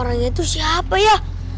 orangnya itu siapa ya